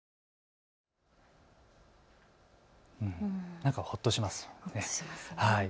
なんかほっとしますね。